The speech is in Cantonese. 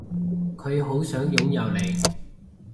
佢好想擁有你